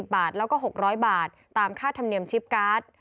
บาทแล้วก็๖๐๐บาทตามค่าธรรมเนียมชิปการ์ด